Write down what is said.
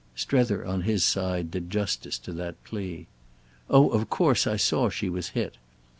Strether, on his side, did justice to that plea. "Oh of course I saw she was hit.